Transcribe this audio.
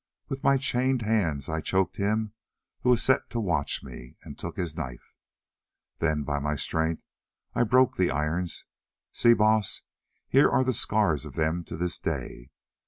With my chained hands I choked him who was set to watch me, and took his knife. Then by my strength I broke the irons—see, Baas, here are the scars of them to this day.